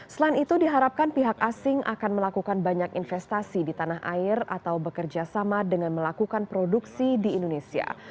selain itu diharapkan pihak asing akan melakukan banyak investasi di tanah air atau bekerja sama dengan melakukan produksi di indonesia